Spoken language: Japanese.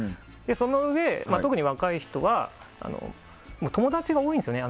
そのうえ、特に若い人は友達が多いんですよね。